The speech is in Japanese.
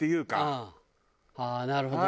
ああなるほどね。